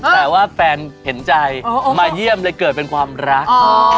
แต่ว่าแฟนเห็นใจมาเยี่ยมเลยเกิดเป็นความรัก